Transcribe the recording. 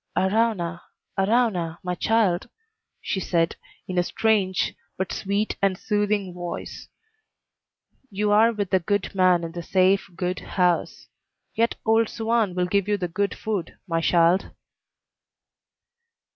"Arauna, arauna, my shild," she said, in a strange but sweet and soothing voice, "you are with the good man in the safe, good house. Let old Suan give you the good food, my shild."